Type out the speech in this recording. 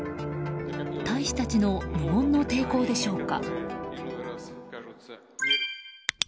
大使たちの無言の抵抗でしょうか。